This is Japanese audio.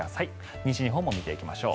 西日本も見ていきましょう。